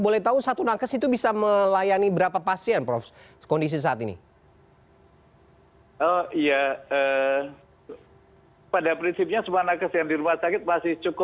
lebih dari empat puluh jam seminggu